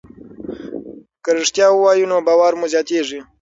که رښتیا ووایو نو باور مو زیاتېږي.